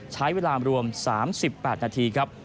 ใช้เวลารวม๓๘นาทีครับ